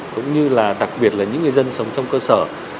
cũng như là đặc biệt là những người dân sống trong cơ sở